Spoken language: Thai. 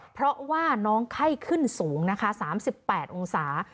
เพราะว่าน้องไข้ขึ้นสูงนะคะ๓๘องศา